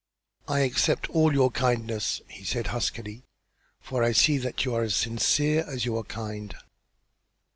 "I accept all your kindness," he said, huskily, "for I see that you are as sincere as you are kind."